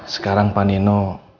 sekarang pak nino